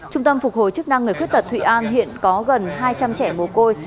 trung tâm phục hồi chức năng người khuyết tật thụy an hiện có gần hai trăm linh trẻ mồ côi